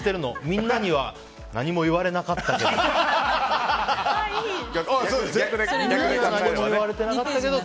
みんなには何も言われなかったけど。